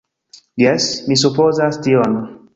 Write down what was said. Jes, mi supozas tion